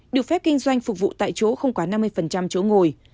được phép kinh doanh phục vụ tại chỗ không quá năm mươi chỗ ngồi